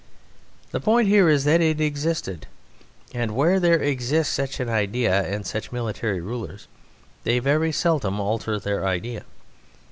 The point here is that it existed; and where there exists such an idea in such military rulers, they very seldom alter their idea.